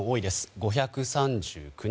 ５３９人。